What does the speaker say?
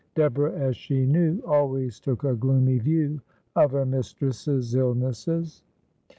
Deborah, as she knew, always took a gloomy view of her mistress's illnesses.